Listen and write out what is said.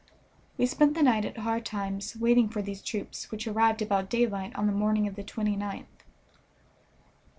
We spent the night at Hard Times waiting for these troops, which arrived about daylight on the morning of the 29th.